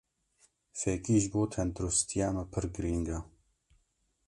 Fêkî ji bo tendirustiya me pir girîng e.